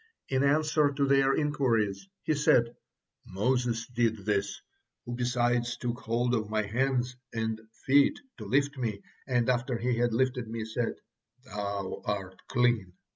In answer to their inquiries he said, "Moses did this, who besides took hold of my hands and feet to lift me, and after he had lifted me, said, 'Thou art clean.'